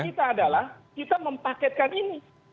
kita adalah kita mempaketkan ini